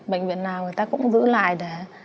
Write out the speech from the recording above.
bệnh viện nào người ta cũng giữ lại để